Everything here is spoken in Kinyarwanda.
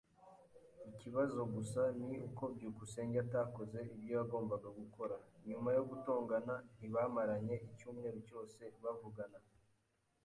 Ikibazo gusa ni uko byukusenge atakoze ibyo yagombaga gukora. Nyuma yo gutongana, ntibamaranye icyumweru cyose bavugana.